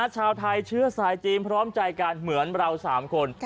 ชาวไทยเชื้อสายจีนพร้อมใจกันเหมือนเรา๓คน